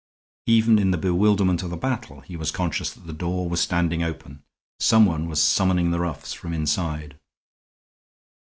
Even in the bewilderment of the battle he was conscious that the door was standing open. Somebody was summoning the roughs from inside.